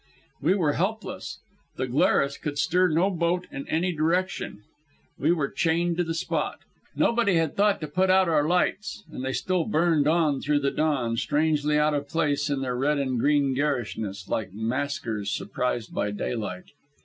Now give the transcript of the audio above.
We were helpless. The Glarus could stir no boat in any direction; we were chained to the spot. Nobody had thought to put out our lights, and they still burned on through the dawn, strangely out of place in their red and green garishness, like maskers surprised by daylight.